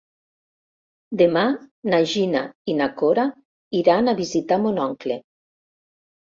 Demà na Gina i na Cora iran a visitar mon oncle.